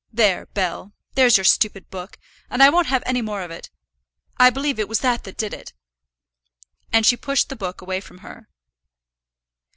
There, Bell; there's your stupid book, and I won't have any more of it. I believe it was that that did it." And she pushed the book away from her.